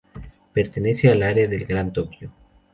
Pertenece al Área del Gran Tokio.